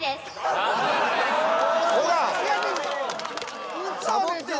・ほら！